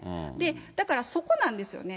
だからそこなんですよね。